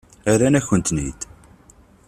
Rran-akent-ten-id.